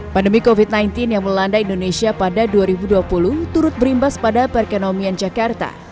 pandemi covid sembilan belas yang melanda indonesia pada dua ribu dua puluh turut berimbas pada perekonomian jakarta